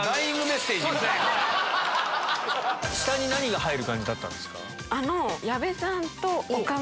下に何が入る感じだったんですか？